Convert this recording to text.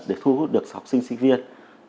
để thu hút được học sinh sinh viên